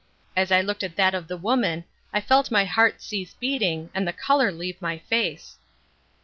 As I looked at that of the woman I felt my heart cease beating and the colour leave my face.